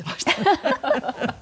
ハハハハ！